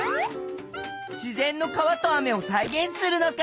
自然の川と雨をさいげんするのか。